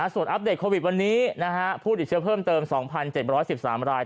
ส่วนอัปเดตโควิดวันนี้ผู้ติดเชื้อเพิ่มเติม๒๗๑๓ราย